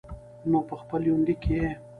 نو په خپل يونليک کې يې